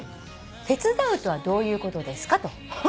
手伝うとはどういうことですかと。